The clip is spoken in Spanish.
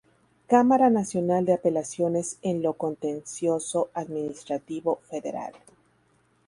Cámara Nacional de Apelaciones en lo Contencioso Administrativo Federal.